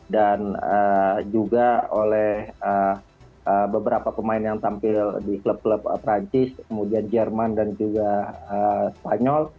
dan juga oleh beberapa pemain yang tampil di klub klub perancis kemudian jerman dan juga spanyol